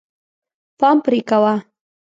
پام پرې کوه.